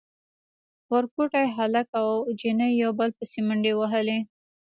ورکوټي هلک او نجلۍ يو بل پسې منډې وهلې.